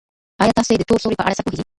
ایا تاسي د تور سوري په اړه څه پوهېږئ؟